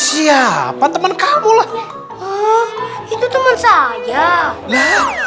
siapa temen kamu lah itu temen saya